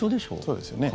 そうですよね。